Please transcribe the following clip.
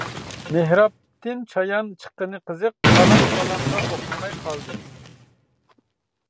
مېھرابتىن چايان چىققىنى قىزىق، پالان پالانغا ئوخشىماي قالدى.